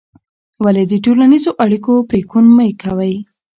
ولې د ټولنیزو اړیکو پرېکون مه کوې؟